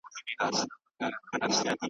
ماتول مي سرابونه هغه نه یم .